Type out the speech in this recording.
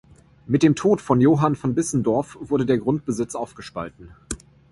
Mit dem Tod von Johann von Bissendorf wurde der Grundbesitz aufgespalten.